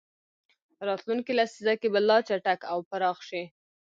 راتلونکې لسیزه کې به لا چټک او پراخ شي.